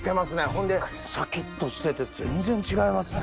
ほんでシャキっとしてて全然違いますね。